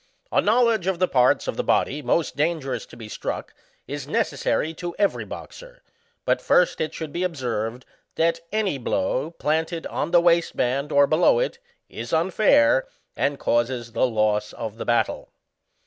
A knowledge of the parts of the body most dangerous to be struck is necessary to every boxer ; but first it should be observed, that any blow planted on the waistband or below it, is unfair, and causes the loss of the battle.